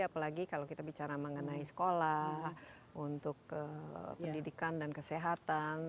apalagi kalau kita bicara mengenai sekolah untuk pendidikan dan kesehatan